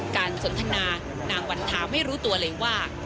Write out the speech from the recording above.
สนทนานางวันทาไม่รู้ตัวเลยว่า